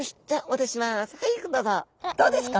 どうですか？